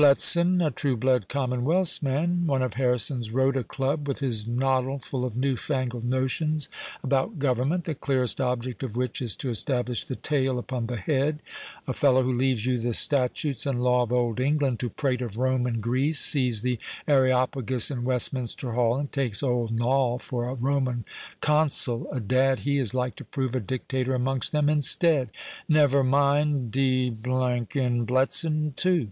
Bletson—a true blue Commonwealth's man, one of Harrison's Rota Club, with his noddle full of new fangled notions about government, the clearest object of which is to establish the tail upon the head; a fellow who leaves you the statutes and law of old England, to prate of Rome and Greece—sees the Areopagus in Westminster Hall, and takes old Noll for a Roman consul—Adad, he is like to prove a dictator amongst them instead. Never mind—d—n Bletson too."